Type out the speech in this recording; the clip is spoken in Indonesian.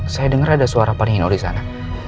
saya denger ada suara panino disana